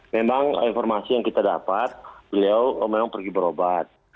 memang informasi yang kita dapat beliau memang pergi berobat